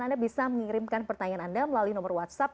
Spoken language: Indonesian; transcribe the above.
anda bisa mengirimkan pertanyaan anda melalui nomor whatsapp